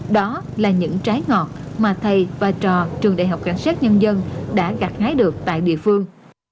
đó là những trái ngọt mà thầy và trò trường đhcn đã gặt hái được tại địa phương